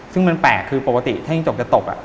ซึ่งมันแปลกคือปกติถ้ายังจบจะตบ